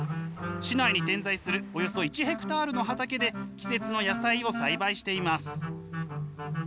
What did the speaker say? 市内に点在するおよそ１ヘクタールの畑で季節の野菜を栽培しています。